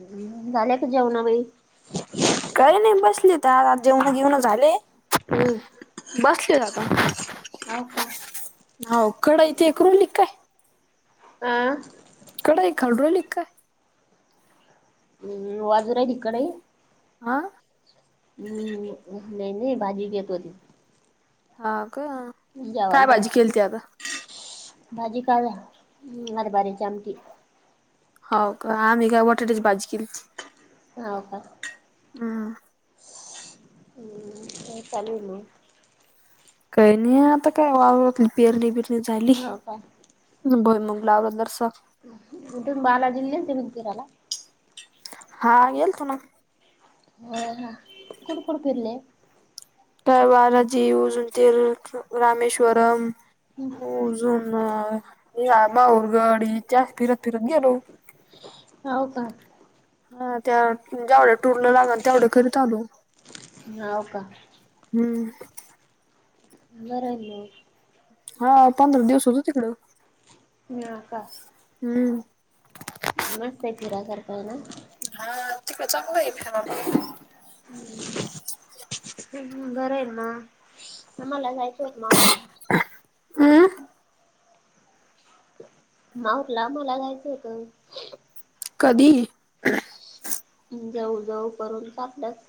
हम् झाल्या क जेवणा बाई कार नाही बसली तर आ आ जेवण घेऊन झाले हम्म बसले जात अ हकड इथ एक्रलीिक काय आह कडाई खड्रोल काय हम्म बाजू आहे तिकडे आह हम्म नाही नाही भाजी घेत होती हा का काय जेवायला भाजी बस केली त आता भाजी काय अर बारीची आमची हो का आम्ही काय वटेटेच बाज केली हो का. हम. हम्म ते चालू म. काही नाही आता काय वा पिरली पिर ह का लावला जरासा बालाजिल ति तराला. हा येल् तु ना. हा हा कोण कोडपरले. काय वाार जी उ जंतील रामेश्वरम हो जुन बाहरगडी त्या फिरत फिरत गेलो. [inaudible] हो का. हा त्या ज्यावढ्या टूरला लागल तेवढ्या कररीी चालू. नव का. हम् मर. हा पंधरा दिवस होतो तिकडं. ह का. हम्म. नमस्तेतिरा करताव ना. हा ते चां काय. बरं आहे ना आम्हाला जायचं होत ना ोलला. हम. माऊरला मला जाायचं होत. कधी,? जाऊ जाऊ करून टपलंस.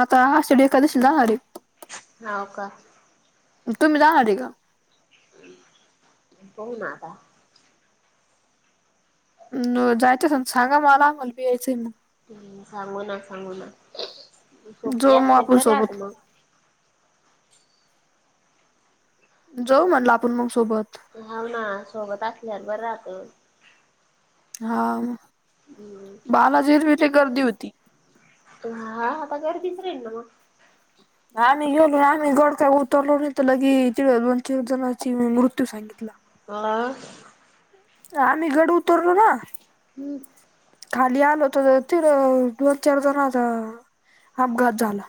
आाता ह एखकादशी जाणारे. का? तुम जा आठे का? बना आ का. जायचंस सांगा मला आमल बि यायचंय म. ् सांगू ना सांगू ना सोपे जाऊ मग असले आपण बर आहात सोबत. मग. जाऊ म्हटलं आपण मग सोबत. हव ना सोबत असल्यावर बरं राहतं. हा बालाजीर मथे गर्दी होती. हा आता गरदीच राेल ना मग. आम्ही गेलो आम्ही गडता उतरलो नाही तर लगे च चिड जणाची मृत्यू सांगितला. ह.. आम्ही गड उतरलो ना. हम्. खाली आल होत ति दोन चार जण आता. अपघात झाला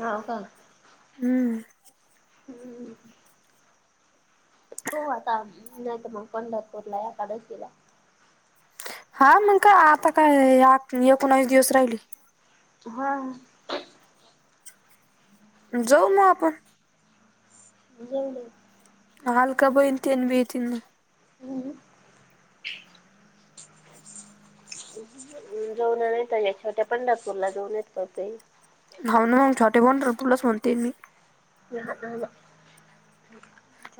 हाव का हम्म. हम्म. हो आता नाहीत मग पंढरपूरला एकादशीला. हा मग का आता काय एकोणास दिवस राहिली. हा जाऊ मग आपण. बज. हल का बतीयन भीतीिन. हम्म जऊन येत या ेवट्या पंढरपूरला जाऊन येतते. हा ना मग छोटे बन रुलस म्हणते मी. ना आ ना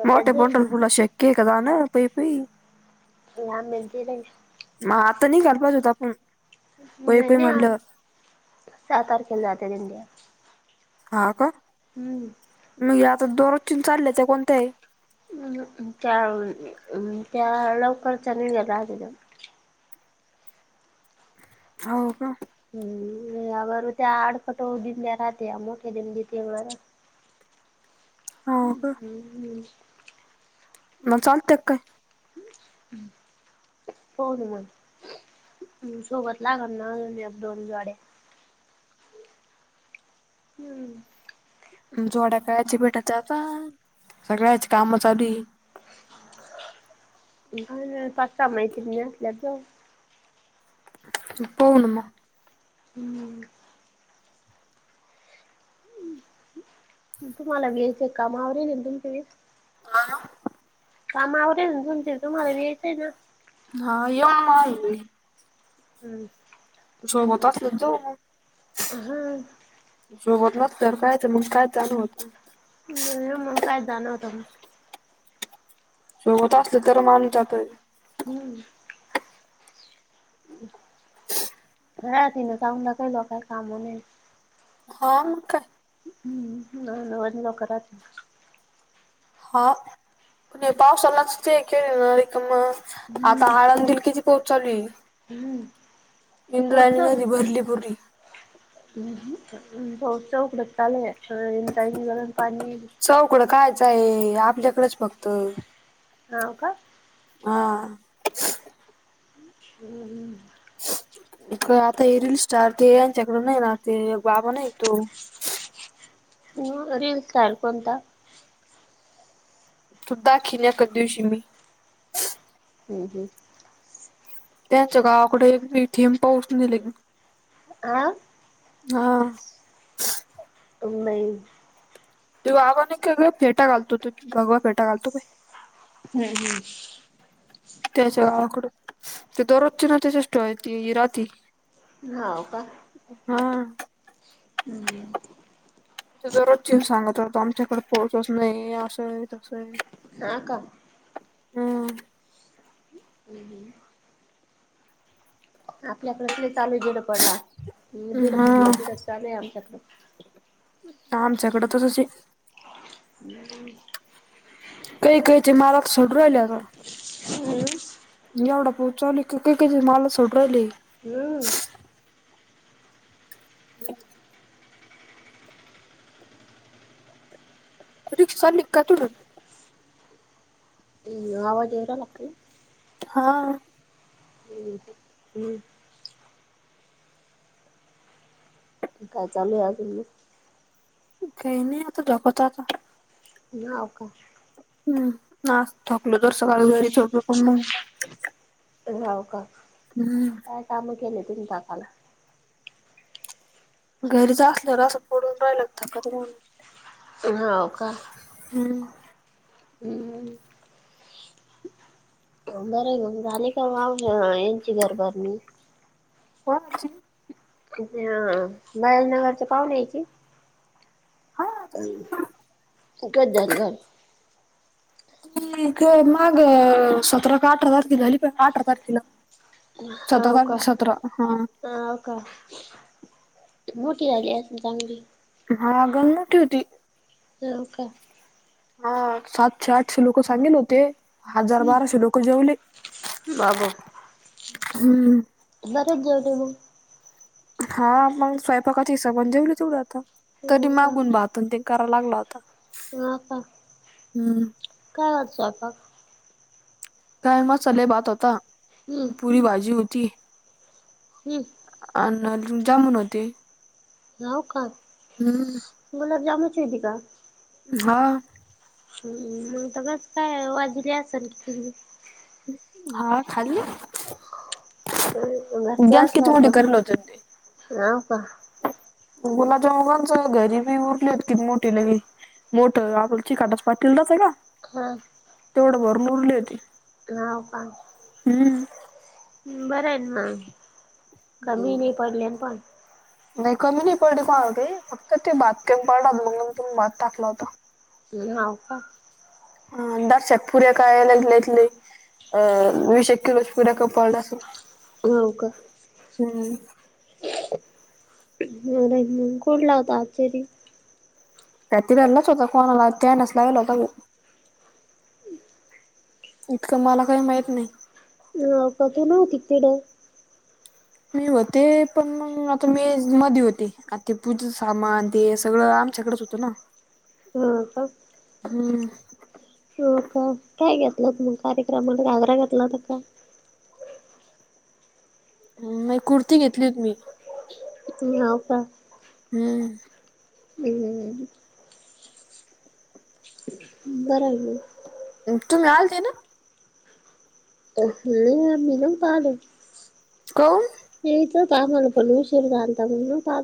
मोठे बोंटल फुला शके कदा न पई पई आंब्यांची नाही मग आता नाही कापच होता आपण पायी नाही पायी नाही म्हणल्यावर सातार खेल जात दिंडया हा का? हम्म दररोज ची चालल्यात कोणत्या आ म त्या त्या लवकरचा नि [unintelligible] हो का? हम्म आर त्या आडफटोधीम्या राहते मोठे देम दती हो ह् का हम्म हम् मग चालतय काय हो न [unintelligible] हम् सोबत लागल ना दोन जोड्या. हम्म जोड्या कायची भेटायच्या आता सगळ्याची कामं चालू हाय. [inaudible] [unintelligible] असल्या जा [inaudible] पवणम हम्म तुम्हाला वेळच्या कामावर येई तुमचे वेस हॅलो! ! काम आवर गेलते तुम्हाला यायचंय ना हो हम्म सोबत असेल जाऊ मग हम्म सोबत न तर कायच मग काय चालू होत. [unintelligible] काय जाण होत मी सोबत असलं तर माणुस जातोय. हम्म राह त ना चांगला काय लोकांना काय काम नाही? हा मग काय? हम्म लोक राात हा पण पावसालाच ते ख आता हम्म आळंदल किती पाऊस चालू आहे. हम्म इंद्राणी पोहोचच नदी भरली पुरी. भाऊचौ उकडताल [unintelligible] पाणी चौकडं कायच आहे आपल्याकडेच फक्त हा का? हा हम् [inaudible] इकडे आता हे रील स्टार ते यांच्याकड नाही ना ते बाबा नाही तो रील स्टार कोणता? सुद्धाखिनक दिवशी मी हम्म हम त्यांच्या गावाकडे पीटीएम पाऊस दिले आ.. ह. हा नाही ते आबि आणि फेटा घालतो ते भगवा फेटा घलतो पाय. हम्म हम्म त्याच्या गावाकड ते दरोजचे ना तेष्ट त राती हाव हा [inaudible] म्हणजे तो दररोज चे सांगत रात आमच्याकडे पाऊसच नाही असं तसं आहे. हा का? हम्म हम्म हम्म आपल्या कडे प्रत्ये. चालू झधड पडला जिडं फुटलं हा तिडच काल आमच्याकडं. ह आमच्याकडें त तशी हम्म काही काहीचे माल सड राहिलेता हम्म एवढा पाऊ. [inaudible] हम्म [inaudible] रिक्षा निकका तडून. हम् आवाज येरा ला? हा हम्म हम्म काय चालू अजून. काही नाही आता झोपतो आता नाका हम् ना थकलो राव का हम्म काय काम केले तुम्ही थकाला? घरीच असल्या र असं पडून राहिलं थकत म्हण. होय का? हम्म हम्म बर मग झाली काव आहो यांची घर भारणी? कोनाची? हा बाैलनगरच्या पाहुण्या यायची. हा झाली तकद्याची घर त मग सतरा का अठरा तारखे झाली पण अठरा तारखेला. सतरा हवं तार का सतरा हा हवं का. मोठी झाली आहे ना चांगली? हा गण मोठी होती. होव का. हा सातशे आठशे लोक सांगेन होते. हजार हम्म बारशे लोक जेवले. हम्म बरच जेवले मग हा आपण स्वयंपाकाच्या हिसाबण जेवला तेवढं आता तरी हो मागून भात अन ते. लागला होता ह हम्म काय होता स्वयंपाक? काय मसाले भात होता हम्म पुरी भाजी होती. हम्म अन अजून जामुन होते. होव का हम्म गुलाबजामनचीती का हा हम्म मग त बस काय वाजले असेल की तुमही हा खाली घरचे असल्या प करले होते ह का मुोलाच्या मुघांच घरी बी उरलीत कि मोठी लगे मोठ आपचीिकाटस्पातीलला स का हा तेवढं भर मुरली होती ह का हम्म. बरं आहे मग कमी नाही पडलेन पण नाही कमी नाही पडली कोण होते फक्त ते भात केम पडात म्हणून तुम्ही भात टाकला होता नाव का ह दशक पुर्या कायला लेतली अं मीश किलोज पुऱ्याक पळला अस हो का अरे कुठला होतचरी त्या तिलाच होता कोणाला तरच लागेला होता ग इतकं मला काही माहित नाही ह काथ ना होती तड मी होते पण मग आता मी मध्ये होते आ ते पूज सामान ते सगळं आमच्याकडच होत ना हा ह हम का काय घेतलं त मग कार्यक्रमाला घगरा घेतला न का नाही कुर्ती घेतली होत मी ह ह प हम्म हम्म बरोबर तुम्ही आल ते ना ह मन पालं कोण कायमला पण उशीर काता म्हणून पा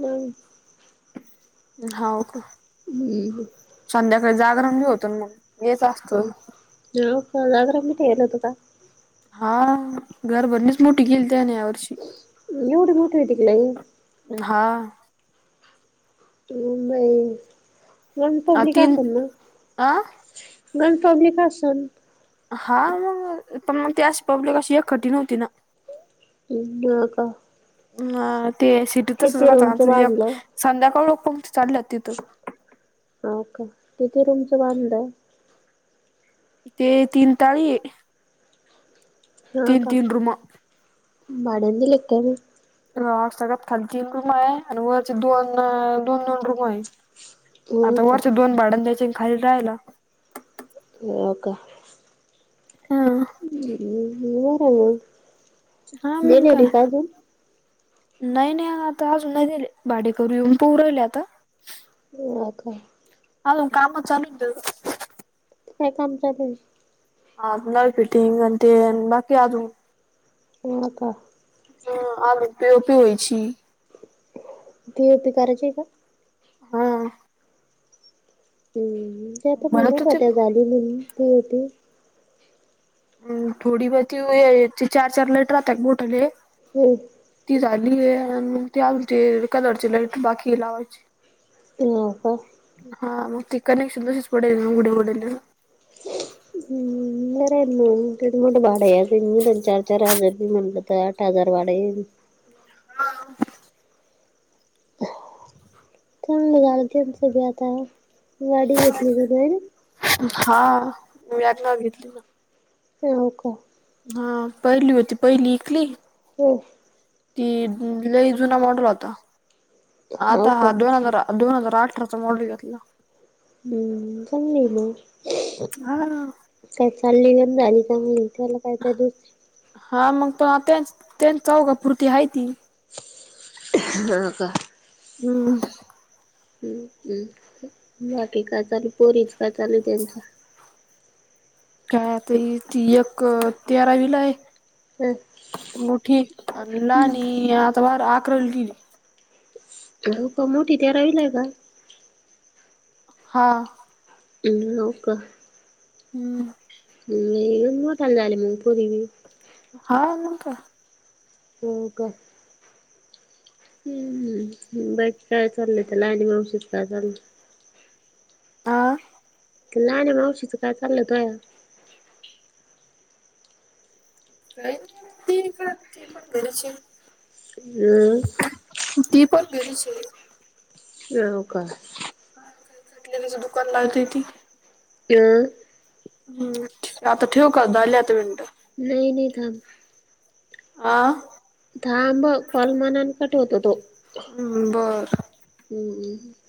हो का हम्म जागरणी होत मग येच असत कागराठ ये ना तु का हा घरबरणीच मोठी गेली त्याने यावर्षी नोड मोठ वेटिकलंय हा हम नन आ पब्लिक तीन असन ना आ गन पब्लिक असन हा मग पण मग ते अशी पब्लिक अशी एकठीण हो्हती ना न का ह ते सिटीतचच किती रूमचं राहत एक बांधलं संध्याकाळ लोक प चाढलेत तिथं तिती रूमचं बांधलं ते तीन ताळी तीन तीन रूमा मड दि ल का गप खाली तीन रूम आहे आणि वरचे दोन दोन दोन रूम आहे हो आता का वर्ष दोन भाडन द्यायचे आणि खाली राहायला हो का हं. ह् वरा म हा मं काय नाही नाही आता अज नाही दिले भाडे कर येऊन परवले आता हो का ह काम चालू काय काम चालेलंल ह फिटिंग ते बाकी आज हो का हा आमही पीओपी होईची बीओपी कराजे का हा हम्म ते आता म्हणत मुनत होते होत्या झाली म्ही होती ह थोडी ब त चार चार लालेटर राहत बोटले हम्म ती झालीय आणि मग तेी आते कलरची लाईट बाकी लावायची न का हा मग ती कनेक्शन तशीच पडेलग घुड्या घड हम्र ना मोठे भाडे चार चार हजार म्हणलं तर आठ हजार भाडे हा तर मघाल सगळी आता गाडी घेतली स हा मी आत ना घेतली ना. हो का हा पहिली होती पहिली इकली हो ती ललेई जुना मॉडल होता हो आता का हा दोन हजार दोन हजार अठराचा मॉडल येतता इला हम्म जमली म हा काय चालली घण झाली चगली ख कायत दु हा मग पण त्यांच त्यांच जाऊ का पुुरती हा ती ह का हम्म हम्म् बाकी का चालू पोरीच का चालू त्यांच्या काय आता तयक तेरावीलाय ह मोठी अला आणि आता बार आकल गली हो का मोठी तेरावी ला का हा ह नोका. हम्म. हम् मोठल झाले मुग पुरवी हा न का. हो का. हम्मम बाईक काय चाललंय ते लाईन ववशीित का चाललं. आह. तर नाही ना मग अवशीच काय चाललं तया का नाही त का त पणंदची हम. वरचल अ का? का खटले तचं दुकान लावतेय ती अं. हम् आता ठेउक झाली आता मिनिटं. नई नई थांब. आ. थांब कॉल मनानं कट होतो तो. हम्म बर. हम्म.